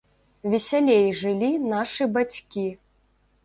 Весялей жылі нашы бацькі.